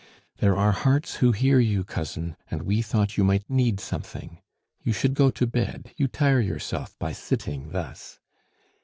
"There are hearts who hear you, cousin, and we thought you might need something. You should go to bed; you tire yourself by sitting thus."